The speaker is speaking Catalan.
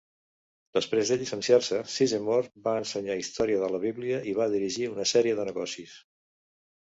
Després de llicenciar-se, Sizemore va ensenyar història de la Bíblia i va dirigir una sèrie de negocis.